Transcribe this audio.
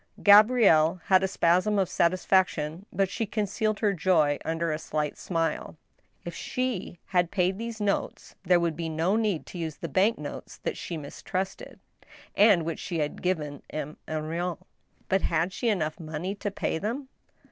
Gabrielle had a spasm of satisfaction, but she concealed her joy under a slight smile. /.V THE ASHES. 117 If she paid these notes, there would be no need to use the bank notes that she mistrusted, and which she had given M. Henrion. ,' But had she enough money to pay them